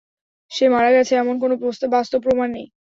সে মারা গেছে এমন কোনও বাস্তব প্রমাণ নেই।